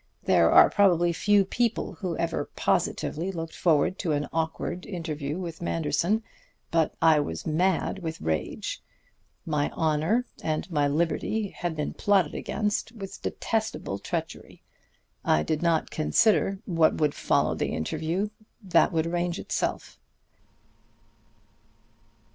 There are probably few people who ever positively looked forward to an awkward interview with Manderson; but I was mad with rage. My honor and my liberty had been plotted against with detestable treachery. I did not consider what would follow the interview. That would arrange itself.